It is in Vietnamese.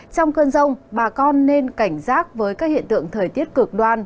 trong cơn rông bà con nên cảnh giác với các hiện tượng thời tiết cực đoan